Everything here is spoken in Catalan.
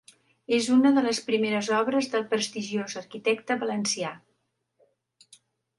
És una de les primeres obres del prestigiós arquitecte valencià.